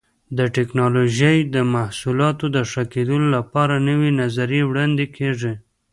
د ټېکنالوجۍ د محصولاتو د ښه کېدلو لپاره نوې نظریې وړاندې کېږي.